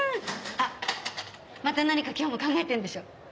あっまた何か今日も考えてるんでしょ？